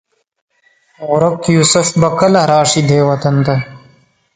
ورک یوسف به کله؟ راشي دې وطن ته